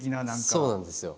そうなんですよ。